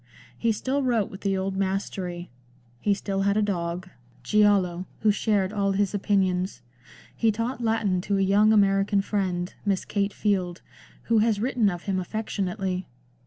He still wrote with the old mastery ; he still had a dog, Giallo, who shared all his opinions ; he taught Latin to a young American friend. Miss Kate Field, who has written of him affectionately.